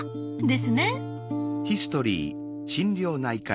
ですね。